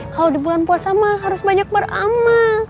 kalo di bulan puasa mak harus banyak beramal